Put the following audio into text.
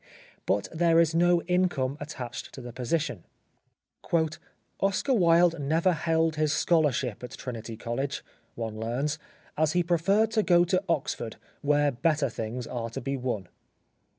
But there is no income attached to the position. " Oscar Wilde never held his scholarship at Trinity College," one learns, "as he preferred to go to Oxford, where better things are to be won."